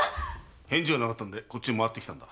返事がなかったのでこっちへ回ってきた。